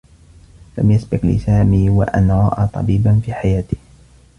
لم يسبق لسامي و أن رأى طبيبا في حياته.